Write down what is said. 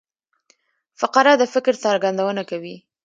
فقره د فکر څرګندونه کوي.